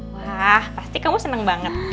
wah pasti kamu seneng banget